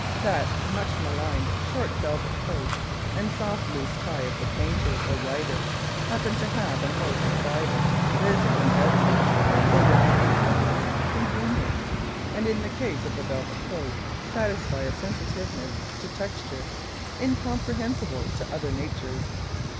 That much maligned short velvet coat and soft loose tie of the painter or writer, happen to have a most decided raison d'être; they represent comfort, convenience, and in the case of the velvet coat, satisfy a sensitiveness to texture, incomprehensible to other natures.